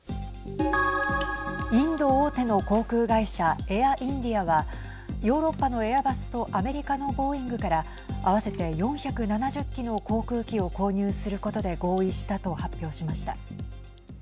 インド大手の航空会社エア・インディアはヨーロッパのエアバスとアメリカのボーイングから合わせて４７０機の航空機を購入することで合意したと発表しました。